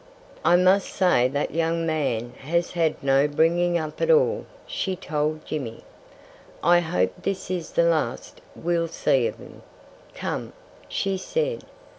"I must say that young man has had no bringing up at all," she told Jimmy. "I hope this is the last we'll see of him.... Come!" she said.